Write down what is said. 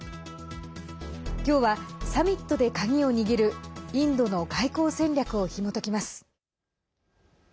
今日はサミットで鍵を握るインドの外交戦略をひもときます。